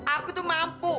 aku tuh mampu